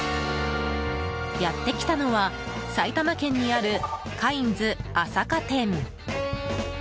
やってきたのは埼玉県にあるカインズ朝霞店。